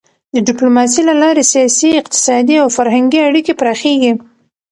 د ډيپلوماسی له لارې سیاسي، اقتصادي او فرهنګي اړیکې پراخېږي.